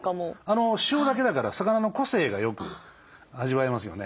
塩だけだから魚の個性がよく味わえますよね。